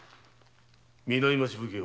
南町奉行